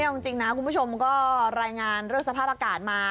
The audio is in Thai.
เอาจริงนะคุณผู้ชมก็รายงานเรื่องสภาพอากาศมา